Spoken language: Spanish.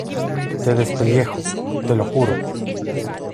te despellejo, te lo juro.